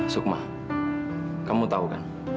sukma kamu tahu kan